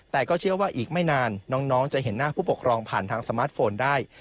แต่ก็เชื่อว่าอีกไม่นานน้องจะเห็นหน้าผู้ปกครองผ่านทางสมาร์ทโฟนได้